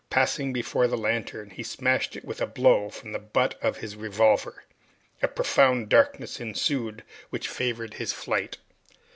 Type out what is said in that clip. Passing before the lantern, he smashed it with a blow from the butt of his revolver. A profound darkness ensued, which favored his flight.